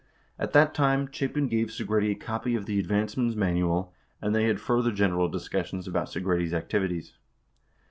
At that time, Chapin gave Se gretti a copy of the Advanceman's Manual, and they had further gen eral discussions about Segretti's activities.